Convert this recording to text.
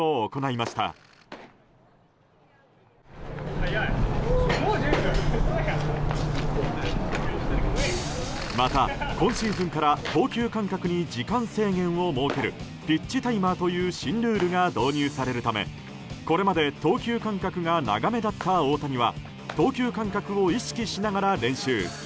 また、今シーズンから投球間隔に時間制限を設けるピッチタイマーという新ルールが導入されるためこれまで投球間隔が長めだった大谷は投球間隔を意識しながら練習。